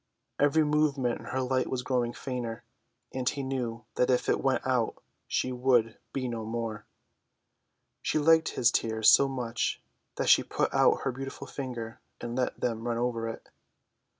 Every moment her light was growing fainter; and he knew that if it went out she would be no more. She liked his tears so much that she put out her beautiful finger and let them run over it.